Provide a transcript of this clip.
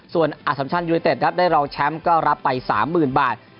ส่วนอสัมชันยูเนเต็ดครับได้รองแชมป์ก็รับไป๓๐๐๐บาท